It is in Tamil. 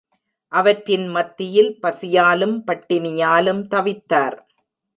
அவற்றின் மத்தியில் பசியாலும் பட்டினியாலும் தவித்தார்.